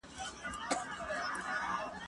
زه به اوږده موده پوښتنه کړې وم؟!